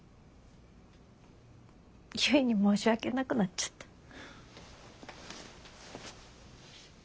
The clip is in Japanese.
結に申し訳なくなっちゃった。